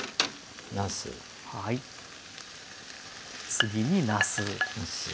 次になす。